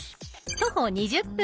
徒歩２０分です。